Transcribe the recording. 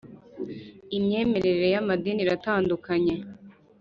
Imyemerere yamadini iratandukanye